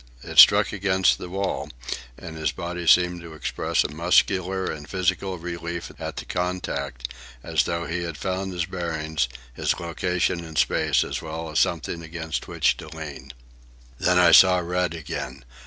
It struck against the wall, and his body seemed to express a muscular and physical relief at the contact, as though he had found his bearings, his location in space as well as something against which to lean. Then I saw red again.